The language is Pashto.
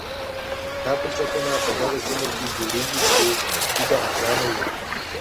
دا پلچکونه په هغه سیمو کې جوړیږي چې تیږه ارزانه وي